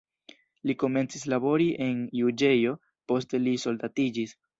Li komencis labori en juĝejo, poste li soldatiĝis.